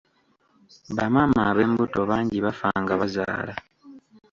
Bamaama ab'embuto bangi bafa nga bazaala.